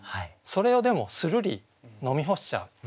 それをでもするり飲み干しちゃう